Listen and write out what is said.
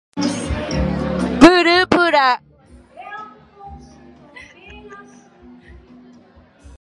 Purupyrã